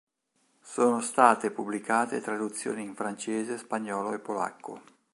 Sono state pubblicate traduzioni in francese, spagnolo e polacco.